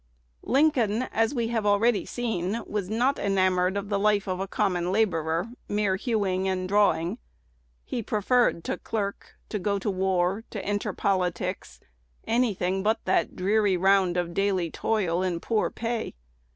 Lincoln, as we have seen already, was not enamored of the life of a common laborer, mere hewing and drawing. He preferred to clerk, to go to war, to enter politics, any thing but that dreary round of daily toil and poor pay.